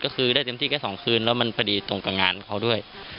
ก็คือได้เต็มที่แค่๒คืนแล้วมันพอดีตรงกับงานเขาด้วย